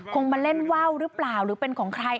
มาเล่นว่าวหรือเปล่าหรือเป็นของใคร